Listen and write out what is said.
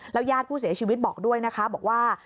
ญาติผู้เสียชีวิตบอกด้วยนะคะบอกว่า